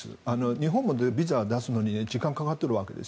日本もビザを出すのに時間がかかってるわけです。